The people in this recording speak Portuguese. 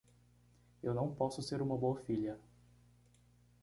Eu não posso ser uma boa filha.